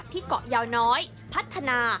เกาะยาวน้อยพัฒนา